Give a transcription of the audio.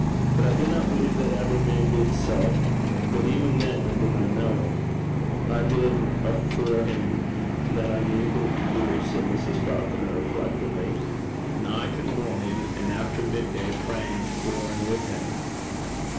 But I dinna believe that ever man did sae. But even than, I dinna ken.' 'I did a' for him that I kent hoo to do,' said Mrs. Falconer, reflectingly. 'Nicht an' mornin' an' aften midday prayin' for an' wi' him.'